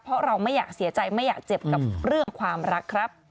เพราะเราไม่อยากเสียใจไม่อยากเจ็บกับเรื่องความรักครับ